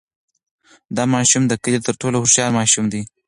دا ماشوم د کلي تر ټولو هوښیار ماشوم دی.